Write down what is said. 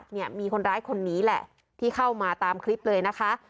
เนี่ยมีคนร้ายคนนี้แหละที่เข้ามาตามคลิปเลยนะคะ